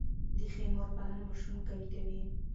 د ښې مور پالنه ماشوم قوي کوي.